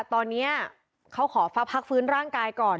ตอนนี้เขาขอฟ้าพักฟื้นร่างกายก่อน